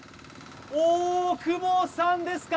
大久保さんですか？